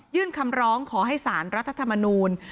ยื่นคำร้องขอให้สารรัฐธรรมนุน